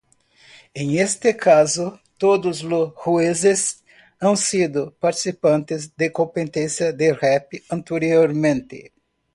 En este caso todos los jueces han sido participantes de competencias de rap anteriormente.